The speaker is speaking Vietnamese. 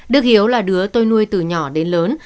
đức hiếu là đứa tôi nuôi từ nhỏ đến lớn